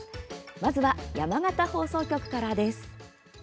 まずは、山形放送局からです。